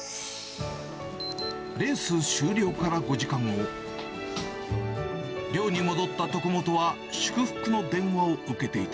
レース終了から５時間後、寮に戻った徳本は、祝福の電話を受けていた。